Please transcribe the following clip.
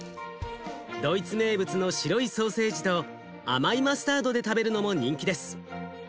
ドイツ名物の白いソーセージと甘いマスタードで食べるのも人気です。